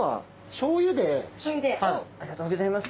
しょうゆでありがとうギョざいます。